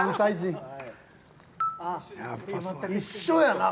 一緒やな。